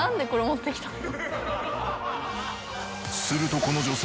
するとこの女性